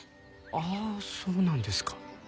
ああそうなんですか。